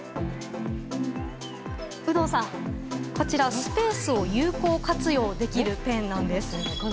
有働さん、こちらはスペースを有効活用できるペンなんです。